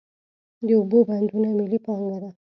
د اوبو بندونه ملي پانګه ده.